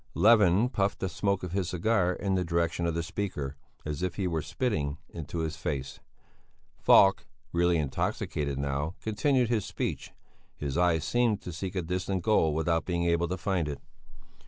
Levin puffed the smoke of his cigar in the direction of the speaker, as if he were spitting in his face. Falk, really intoxicated now, continued his speech; his eyes seemed to seek a distant goal without being able to find it.